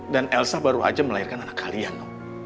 dan elsa baru aja melahirkan anak kalian